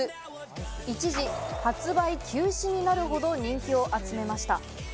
一時、発売休止になるほど人気を集めました。